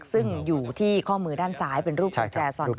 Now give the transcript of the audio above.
ซึ่งอยู่ที่ข้อมือด้านซ้ายเป็นรูปกุญแจซอน